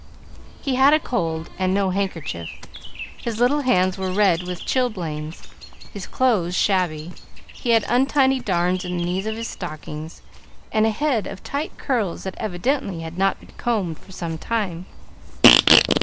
He had a cold and no handkerchief, his little hands were red with chilblains, his clothes shabby, he had untidy darns in the knees of his stockings, and a head of tight curls that evidently had not been combed for some time.